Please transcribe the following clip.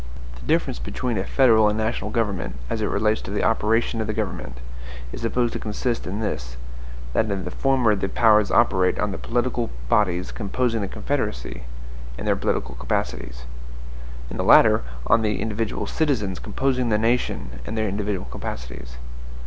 The difference between a federal and national government, as it relates to the OPERATION OF THE GOVERNMENT, is supposed to consist in this, that in the former the powers operate on the political bodies composing the Confederacy, in their political capacities; in the latter, on the individual citizens composing the nation, in their individual capacities.